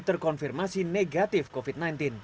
terkonfirmasi negatif covid sembilan belas